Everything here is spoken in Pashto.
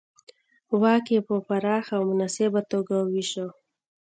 واک یې په پراخه او مناسبه توګه وېشه